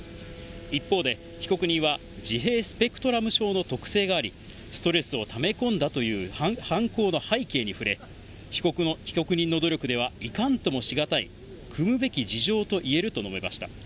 一方で、被告人は自閉スペクトラム症の特性があり、ストレスをため込んだという犯行の背景に触れ、被告人の努力ではいかんともしがたい、くむべき事情といえると述べました。